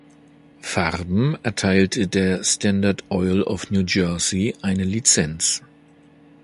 Farben erteilte der Standard Oil of New Jersey eine Lizenz.